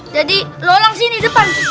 jadi luolang sini depan